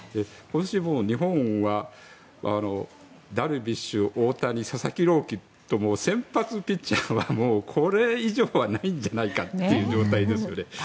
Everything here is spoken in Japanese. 日本はダルビッシュ大谷、佐々木朗希と先発ピッチャーはこれ以上はないんじゃないかという状態ですよね。